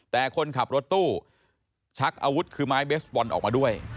แต่คนขับรถตู้ชักอาวุธคือไม้เบสบอลออกมาด้วย